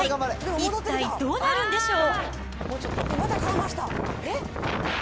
一体、どうなるんでしょう。